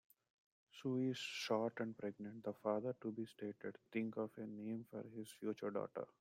"Sue is short and pregnant", the father-to-be stated, thinking of a name for his future daughter.